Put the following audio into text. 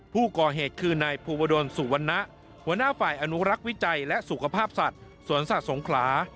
ผู้ก่อเหตุคือนายภูวดลสุวรรณะหัวหน้าฝ่ายอนุรักษ์วิจัยและสุขภาพสัตว์สวนสัตว์สงขลา